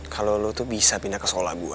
kalau lo tuh bisa pindah ke sekolah gue